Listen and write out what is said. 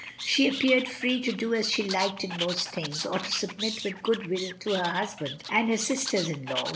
She appeared free to do as she liked in most things, or to submit with good will to her husband and her sisters in law.